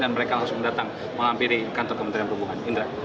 dan mereka langsung datang mengampiri kantor kementerian perhubungan